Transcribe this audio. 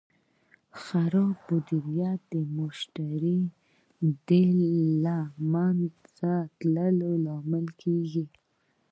خراب مدیریت د مشتری د له منځه تلو لامل کېږي.